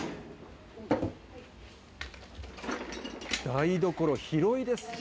台所広いですね。